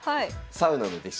サウナの弟子。